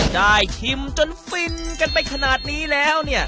ชิมจนฟินกันไปขนาดนี้แล้วเนี่ย